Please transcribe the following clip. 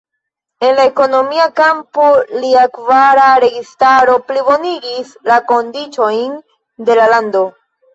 En la ekonomia kampo, lia kvara registaro plibonigis la kondiĉojn de la lando.